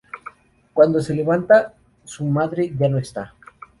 Cuando se levantan, su madre ya no está.